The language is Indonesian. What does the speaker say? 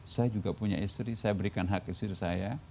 saya juga punya istri saya berikan hak istri saya